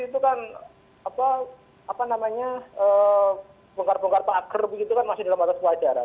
tapi itu kan apa namanya bongkar bongkar pakar begitu kan masih dalam atas pelajaran